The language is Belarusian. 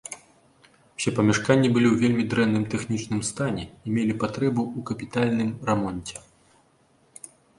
Усе памяшканні былі ў вельмі дрэнным тэхнічным стане і мелі патрэбу ў капітальным рамонце.